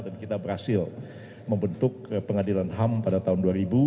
dan kita berhasil membentuk pengadilan ham pada tahun dua ribu